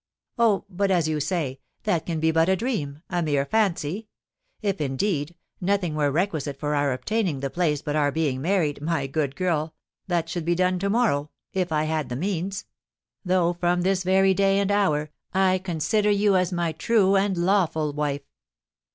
"Oh, but as you say, that can be but a dream a mere fancy. If, indeed, nothing were requisite for our obtaining the place but our being married, my good girl, that should be done to morrow, if I had the means; though, from this very day and hour, I consider you as my true and lawful wife."